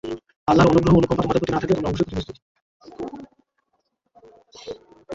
আল্লাহর অনুগ্রহ এবং অনুকম্পা তোমাদের প্রতি না থাকলে তোমরা অবশ্য ক্ষতিগ্রস্ত হতে।